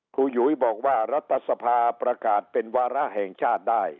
หยุยบอกว่ารัฐสภาประกาศเป็นวาระแห่งชาติได้